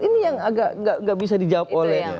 ini yang agak nggak bisa dijawab oleh